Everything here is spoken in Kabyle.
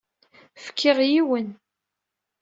Fkiɣ yiwen.